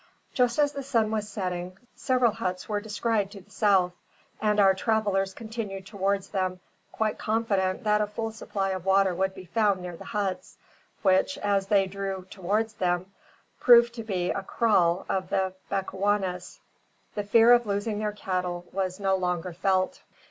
Just as the sun was setting, several huts were descried to the south; and our travellers continued towards them, quite confident that a full supply of water would be found near the huts, which, as they drew towards them, proved to be a kraal of the Bechuanas. The fear of losing their cattle was no longer felt.